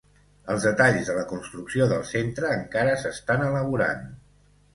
Els detalls de la construcció del centre encara s'estan elaborant